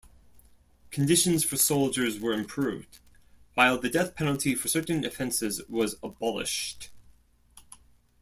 Conditions for soldiers were improved, while the death penalty for certain offences was abolished.